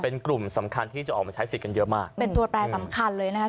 เป็นกลุ่มสำคัญที่จะออกมาใช้สิทธิ์กันเยอะมากเป็นตัวแปรสำคัญเลยนะคะ